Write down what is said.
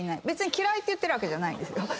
別に嫌いって言ってるわけじゃないですよ。